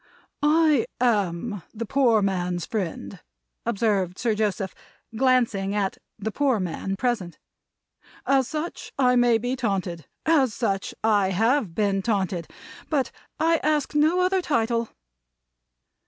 "I am the Poor Man's Friend," observed Sir Joseph, glancing at the poor man present. "As such I may be taunted. As such I have been taunted. But I ask no other title."